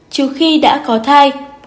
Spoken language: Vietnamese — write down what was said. trừ khi đã có thai